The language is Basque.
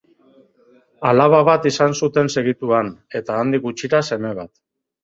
Alaba bat izan zuten segituan, eta handik gutxira seme bat.